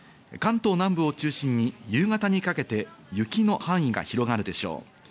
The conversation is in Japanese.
関東南部を中心に、夕方にかけて雪の範囲が広がるでしょう。